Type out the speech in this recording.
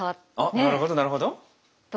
なるほどなるほど。